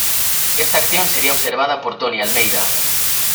Esta acción sería observada por Tony Almeida.